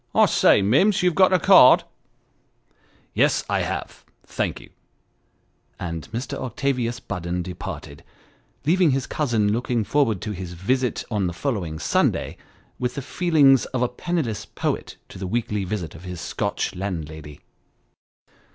' I say, Minns, you've got a card." ' Yes, I have ; thank ye." And Mr. Octavius Budden departed leaving his cousin looking forward to his visit on the following Sunday, with the feelings of a penniless poet to the weekly visit of his Scotch landlady.